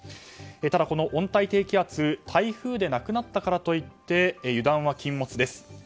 ただ、この温帯低気圧台風でなくなったからといって油断は禁物です。